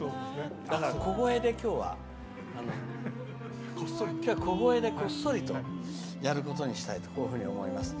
だから、小声で、きょうはこっそりとやることにしたいとこういうふうに思います。